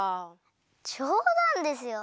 じょうだんですよ！